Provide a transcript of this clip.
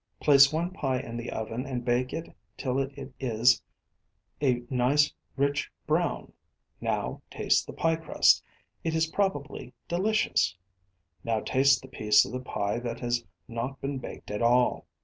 Place one pie in the oven and bake it till it is a nice rich brown. Now taste the pie crust. It is probably delicious. Now taste the piece of the pie that has not been baked at all.